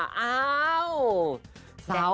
เงินพันธุ์อังขวานปีอ่าว